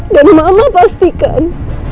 dan mama pastikan